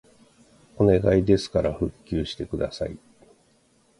お願いですから復旧してください